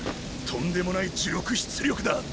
とんでもない呪力出力だ。